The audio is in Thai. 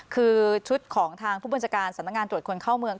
คือชุดของทางผู้บัญชาการสำนักงานตรวจคนเข้าเมือง